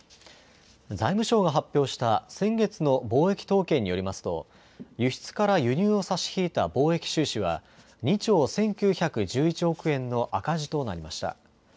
財務省が発表した先月の貿易統計によりますと輸出から輸入を差し引いた貿易収支は２兆１９１１億円の赤字となりました。